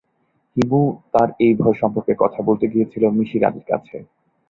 হিমু তার এই ভয় সম্পর্কে কথা বলতে গিয়েছিল মিসির আলির কাছে।